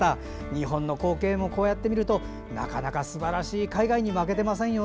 日本の光景もこうやって見るとすばらしい海外に負けていませんよ。